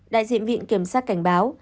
đại diện viện kiểm soát cảnh báo